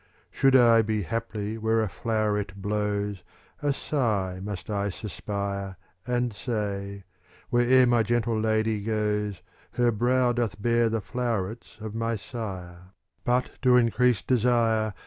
Should I be haply where a floweret blows, A sigh must I suspire. And say, " Where'er my gentle lady goes, Her brow doth bear the flowerets of my Sire: But to increase desire.